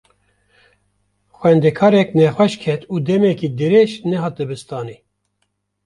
Xwendekarek nexweş ket û demeke dirêj nehat dibistanê.